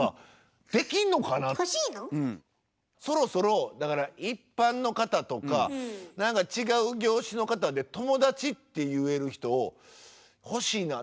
そろそろ一般の方とか何か違う業種の方で「友達」って言える人を欲しいな。